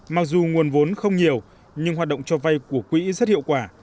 mặc dù nguồn vốn không nhiều nhưng hoạt động cho vay của quỹ rất hiệu quả